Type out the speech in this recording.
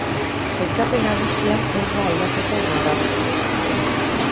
Sailkapen nagusian ez da aldaketa nabarmenik.